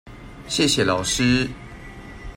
謝謝老師